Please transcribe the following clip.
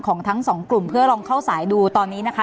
ของทั้งสองกลุ่มเพื่อลองเข้าสายดูตอนนี้นะคะ